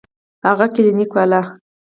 هغه کلينيک والا.